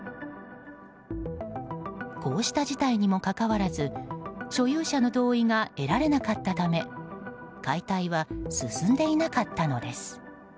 こうした事態にもかかわらず所有者の同意が得られなかったため解体は進んでいなかったのです。